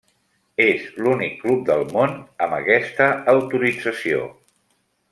És l'únic club del món amb aquesta autorització.